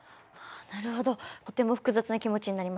なるほどとても複雑な気持ちになります。